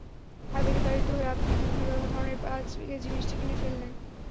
আবেগে তাড়িত হয়ে আপনি বিভিন্ন ধরনের পাঁচ কেজি মিষ্টি কিনে ফেললেন।